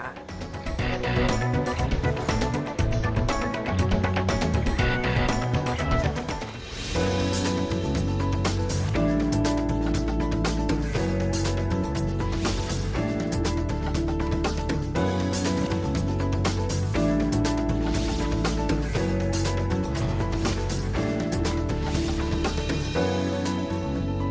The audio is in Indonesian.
kecuali sandara rapi